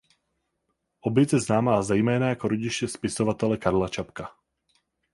Obec je známá zejména jako rodiště spisovatele Karla Čapka.